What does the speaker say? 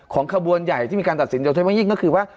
ของขบวนใหญ่ที่มีการตัดสินใจว่า